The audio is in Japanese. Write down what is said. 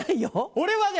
俺はね